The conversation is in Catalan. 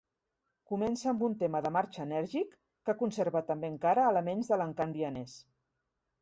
Comença amb un tema de marxa enèrgic que conserva també encara elements de l'encant vienès.